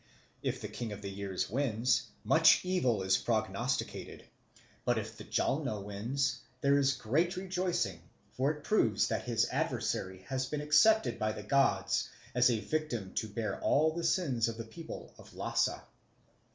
If the King of the Years wins, much evil is prognosticated; but if the Jalno wins, there is great rejoicing, for it proves that his adversary has been accepted by the gods as a victim to bear all the sins of the people of Lhasa.